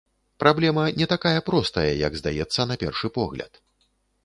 Праблема не такая простая, як здаецца на першы погляд.